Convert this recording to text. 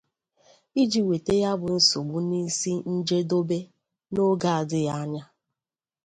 iji weta ya bụ nsogbu n'isi njedobe n'oge adịghị anya.